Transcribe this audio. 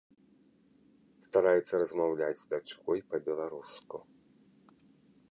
Стараецца размаўляць з дачкой па-беларуску.